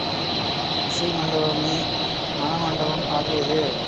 இசை மண்டபமே மணமண்டபம் ஆகியது.